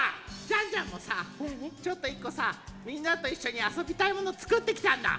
ジャンジャンもさちょっと１こさみんなといっしょにあそびたいものつくってきたんだ！